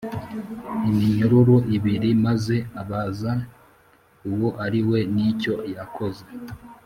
Iminyururu o ibiri maze abaza uwo ari we n icyo yakoze